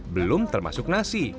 belum termasuk nasi